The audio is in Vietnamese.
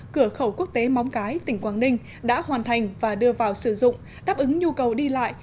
cửa khẩu quốc tế móng cái tỉnh quảng ninh đã hoàn thành và đưa vào sử dụng đáp ứng nhu cầu đi lại